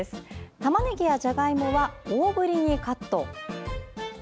たまねぎやじゃがいもは大ぶりにカット。